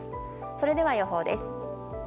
それでは予報です。